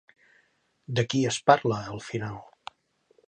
De qui es parla al final?